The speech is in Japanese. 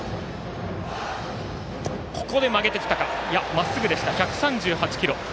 まっすぐでした１３８キロ。